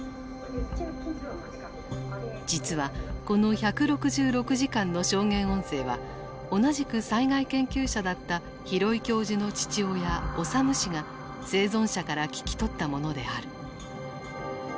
実はこの１６６時間の証言音声は同じく災害研究者だった廣井教授の父親脩氏が生存者から聞き取ったものである。